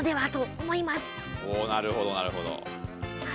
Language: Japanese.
おおなるほどなるほど。